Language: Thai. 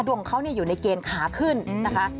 ดวงเขาอยู่ในเกณฑ์ขาขึ้นนะคะ